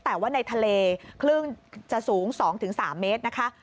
แต่ว่าในทะเลคลื่นจะสูง๒๓เมตรนะคะ